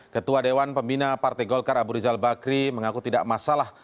ketua dewan pembina partai golkar abu rizal bakri mengaku tidak masalah